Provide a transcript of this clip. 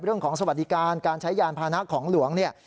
สวัสดิการการใช้ยานพานะของหลวงเนี่ย